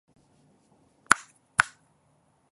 Mae hyn yn parhau'n wir mewn lleoedd metrig cyflawn eraill.